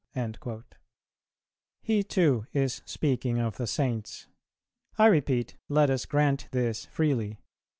"[411:1] He too is speaking of the Saints. I repeat, let us grant this freely.